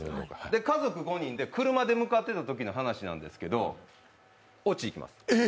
家族５人で車で向かってったときの話なんですけどオチいきます。